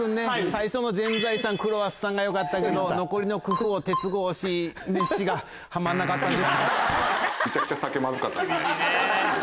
最初の「全財産クロワッサン」がよかったけど残りの「クフ王」「鉄格子」「メッシ」がはまんなかったんで。